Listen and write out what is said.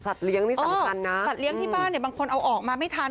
เลี้ยงนี่สำคัญนะสัตว์เลี้ยงที่บ้านเนี่ยบางคนเอาออกมาไม่ทัน